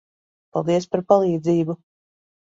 Paldies par palīdzību.